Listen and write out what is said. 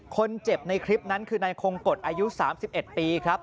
คนเจ็บในคลิปนั้นคือนายคงกฎอายุ๓๑ปีครับ